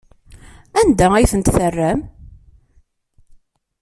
Anda ay ten-terram?